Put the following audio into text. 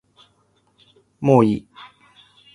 もういい